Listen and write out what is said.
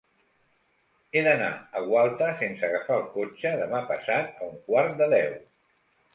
He d'anar a Gualta sense agafar el cotxe demà passat a un quart de deu.